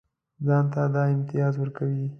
ځان ته دا امتیاز ورکوي.